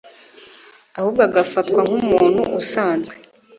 ahubwo agafatwa nk'umuntu usanzwe.